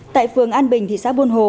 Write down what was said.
tại phường an bình thị xã buôn hồ